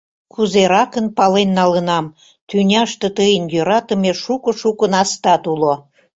— Кузеракын пален налынам, тӱняште тыйын йӧратыме шуко-шуко настат уло.